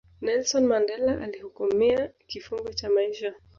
nelson mandela alihukumia kifungo cha maisha